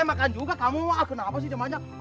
makan juga kamu kenapa sih dia banyak